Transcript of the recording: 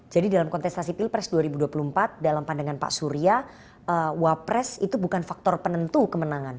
jadi dalam kontestasi pilpres dua ribu dua puluh empat dalam pandangan pak surya wapres itu bukan faktor penentu kemenangan